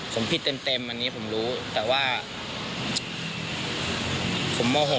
ผมผิดเต็มอันนี้ผมรู้แต่ว่าผมโมโห